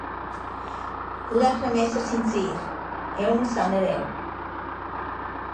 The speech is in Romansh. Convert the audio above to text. Laschà’m esser sincer: eu nu sa neir eu!